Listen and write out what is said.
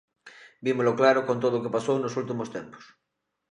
Vímolo claro con todo o que pasou nos últimos tempos.